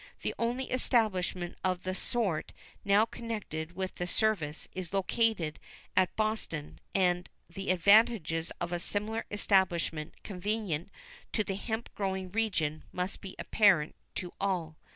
The only establishment of the sort now connected with the service is located at Boston, and the advantages of a similar establishment convenient to the hemp growing region must be apparent to all.